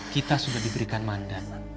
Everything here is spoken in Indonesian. kita sudah diberikan mandat